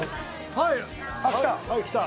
はい来た。